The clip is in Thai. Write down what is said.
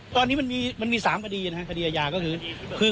ตอนนี้มันมีมันมีสามคดีนะฮะคดีอาญาก็คือ